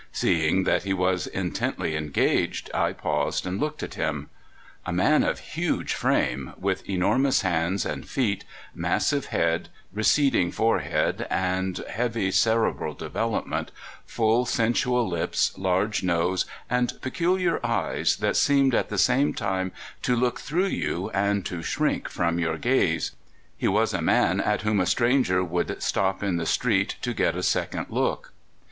Seeing that he was intently engaged, I paused and looked at him. A man of huge frame, with enormous hands and feet, massive head, receding forehead, and heavy cerebral development, full sensual lips, large nose, and peculiar eyes that seemed at the same time to look through you and to shrink from your gaze — he was a man at whom a stranger would stop in the street to get a second look.